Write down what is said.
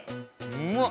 うまっ！